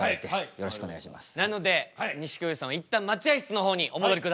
よろしくお願いします。